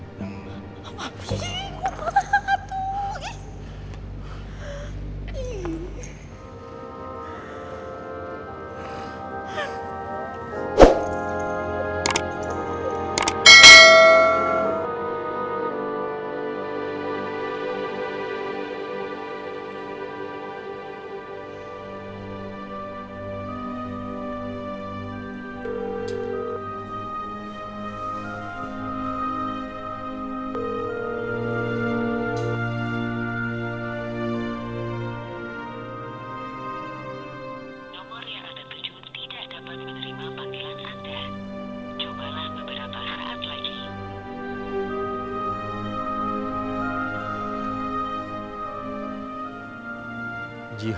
papi kutul sangat tuh